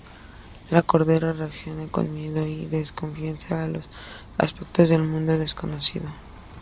La Cordera reacciona con miedo y desconfianza a los aspectos del mundo desconocido.